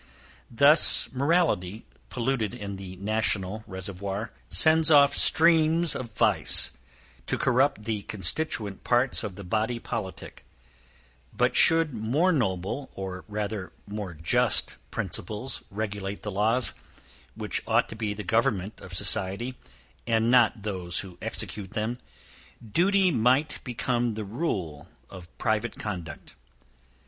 Thus morality, polluted in the national reservoir, sends off streams of vice to corrupt the constituent parts of the body politic; but should more noble, or rather more just principles regulate the laws, which ought to be the government of society, and not those who execute them, duty might become the rule of private conduct.